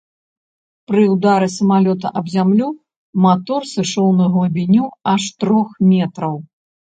Пры ўдары самалёта аб зямлю матор сышоў на глыбіню аж трох метраў.